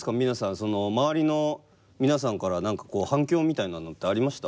その周りの皆さんから何かこう反響みたいなのってありました？